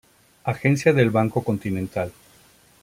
Agencia del Banco Continental.